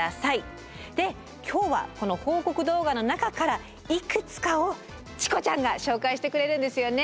で今日はこの報告動画の中からいくつかをチコちゃんが紹介してくれるんですよね。